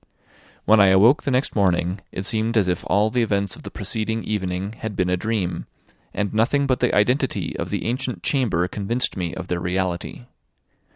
When I awoke the next morning, it seemed as if all the events of the preceding evening had been a dream, and nothing but the identity of the ancient chamber convinced me of their reality.